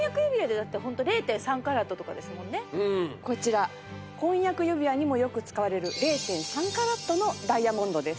大体こちら婚約指輪にもよく使われる０．３カラットのダイヤモンドです。